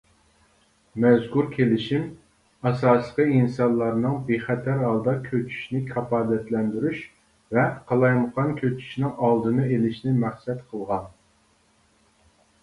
مەزكۇر كېلىشىم ئاساسلىقى ئىنسانلارنىڭ بىخەتەر ھالدا كۆچۈشىنى كاپالەتلەندۈرۈش ۋە قالايمىقان كۆچۈشنىڭ ئالدىنى ئېلىشنى مەقسەت قىلغان.